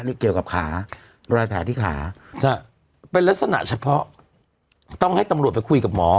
นี่เกี่ยวกับขารอยแผลที่ขาจะเป็นลักษณะเฉพาะต้องให้ตำรวจไปคุยกับหมอ